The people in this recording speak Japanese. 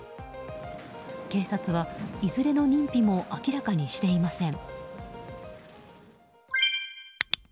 警察は、いずれの認否も明らかにしていません。